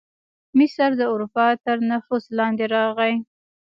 مصر د اروپا تر نفوذ لاندې راغی.